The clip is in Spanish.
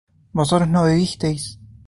¿vosotros no bebisteis?